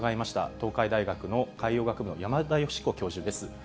東海大学の海洋学部の山田吉彦教授です。